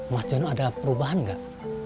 mas jono ada perubahan nggak